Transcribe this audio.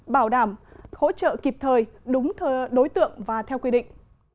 bảo đảm hỗ trợ kịp thời đúng đối tượng và theo quy định